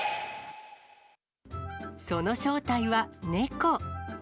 その正体は猫。